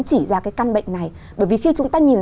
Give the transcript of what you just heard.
chỉ ra cái căn bệnh này bởi vì khi chúng ta nhìn